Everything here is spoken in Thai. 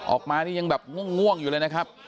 ออกมานี่ยังแบบง่วงอยู่เลยนะครับ